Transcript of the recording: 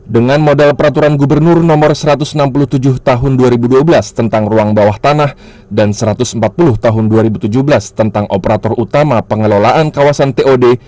dengan modal peraturan gubernur no satu ratus enam puluh tujuh tahun dua ribu dua belas tentang ruang bawah tanah dan satu ratus empat puluh tahun dua ribu tujuh belas tentang operator utama pengelolaan kawasan tod